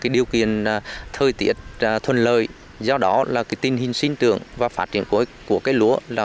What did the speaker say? điều kiện thời tiết thuận lợi do đó là tình hình sinh trưởng và phát triển của cây lúa